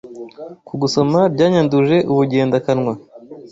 kugusomabyanyanduje ubugenda kanywa